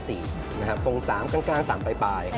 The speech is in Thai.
ตรง๓กลาง๓ปลาย